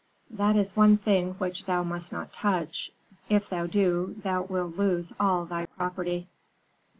"'That is one thing which thou must not touch; if thou do, thou wilt lose all thy property.'